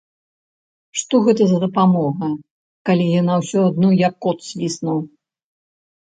Што гэта за дапамога, калі яна ўсё адно як кот свіснуў.